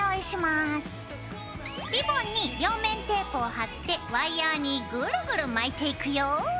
リボンに両面テープを貼ってワイヤーにぐるぐる巻いていくよ。